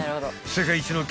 ［世界一の］